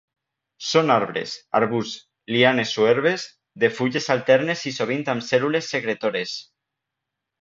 Són arbres, arbusts, lianes o herbes, de fulles alternes i sovint amb cèl·lules secretores.